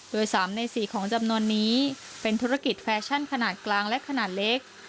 โดย๓ใน๔ของจำนวนนี้เป็นธุรกิจแฟชั่นขนาดกลางและขนาดเล็ก